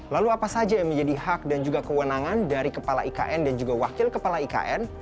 lalu apa saja yang menjadi hak dan juga kewenangan dari kepala ikn dan juga wakil kepala ikn